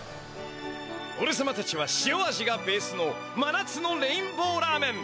おれさまたちはしお味がベースの真夏のレインボー・ラーメン。